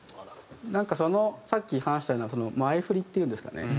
なんかそのさっき話したような前フリっていうんですかね？